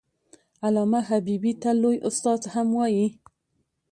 علامه حبيبي ته لوى استاد هم وايي.